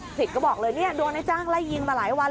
สิทธิ์ก็บอกเลยโดนนายจ้างไล่ยิงมาหลายวัน